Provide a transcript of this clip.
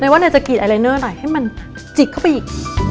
ว่าเนี่ยจะกรีดไอลายเนอร์หน่อยให้มันจิกเข้าไปอีก